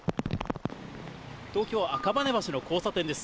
東京・赤羽橋の交差点です。